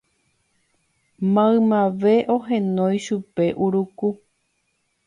maymave ohenói chupe Uruku